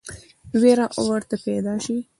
وېره ورته پیدا شي.